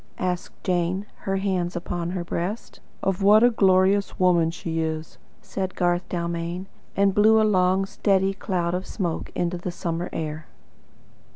asked Jane, her hands upon her breast. "Of what a glorious woman she is," said Garth Dalmain, and blew a long, steady cloud of smoke into the summer air.